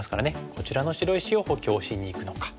こちらの白石を補強しにいくのか。